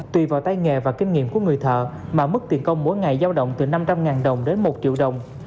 tùy vào tay nghề và kinh nghiệm của người thợ mà mức tiền công mỗi ngày giao động từ năm trăm linh đồng đến một triệu đồng